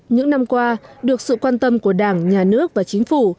những năm qua được sự quan tâm của đảng nhà nước và chính phủ